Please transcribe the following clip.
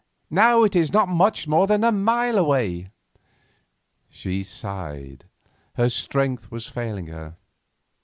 Now it is not much more than a mile away." She sighed; her strength was failing her.